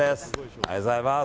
ありがとうございます。